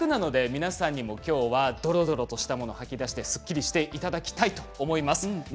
皆さんにはどろどろしたものを吐き出してすっきりしていただきたいと思っています。